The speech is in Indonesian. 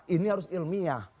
ini harus ilmiah